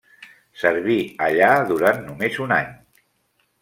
Serví allà durant només un any.